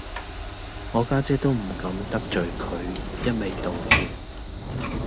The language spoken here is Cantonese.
我家姐都唔敢得罪佢，一味道歉